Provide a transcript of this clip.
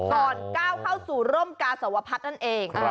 ก่อนก้าวเข้าสู่ร่มกาสวพัฒน์นั่นเอง